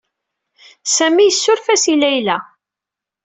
Sami yessuref-as i Layla.